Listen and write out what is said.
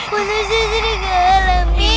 manusia serigala mami